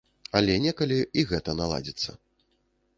Але некалі і гэта наладзіцца.